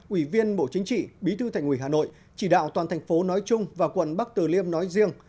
ủy viên bộ chính trị bí thư thành ủy hà nội chỉ đạo toàn thành phố nói chung và quận bắc từ liêm nói riêng